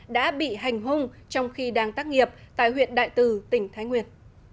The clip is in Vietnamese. đã bị hành hung trong khi đang tác nghiệp tại huyện đại từ tỉnh thái nguyên